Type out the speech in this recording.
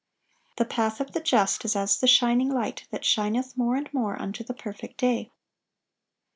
(820) "The path of the just is as the shining light, that shineth more and more unto the perfect day."